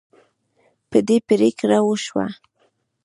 په دې پریکړه وشوه.